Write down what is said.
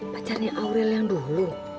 pacarnya aurel yang dulu